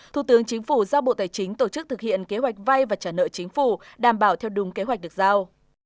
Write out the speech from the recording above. thủ tướng chính phủ giao bộ tài chính tổ chức thực hiện kế hoạch vay và trả nợ chính phủ đảm bảo theo đúng kế hoạch được giao